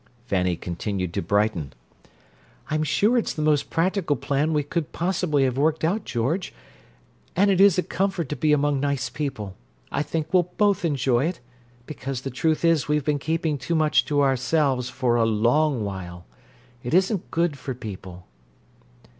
Fanny continued to brighten. "I'm sure it's the most practical plan we could possibly have worked out, George—and it is a comfort to be among nice people. I think we'll both enjoy it, because the truth is we've been keeping too much to ourselves for a long while. It isn't good for people."